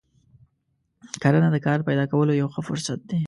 کرنه د کار پیدا کولو یو ښه فرصت دی.